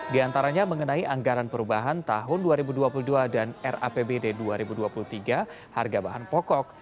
di antaranya mengenai anggaran perubahan tahun dua ribu dua puluh dua dan rapbd dua ribu dua puluh tiga harga bahan pokok